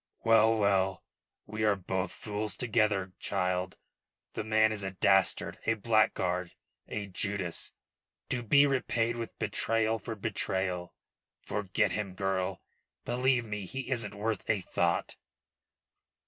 "Well, well! We are both fools together, child. The man is a dastard, a blackguard, a Judas, to be repaid with betrayal for betrayal. Forget him, girl. Believe me, he isn't worth a thought."